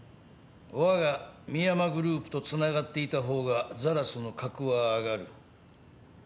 わが深山グループとつながっていた方がザラスの格は上がる。